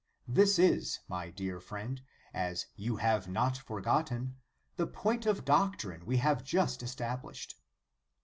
This is, my dear friend, as you have not forgotten, the point of doctrine we have just established.